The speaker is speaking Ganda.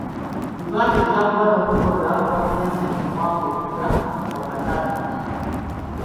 Uganda ejja kuba n'okulonda kwa pulezidenti omwaka ogujja nga gwakatandika.